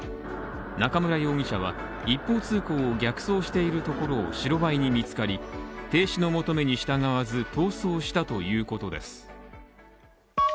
中村容疑者は一方通行を逆走しているところを白バイに見つかり停止の求めに従わず逃走したということです。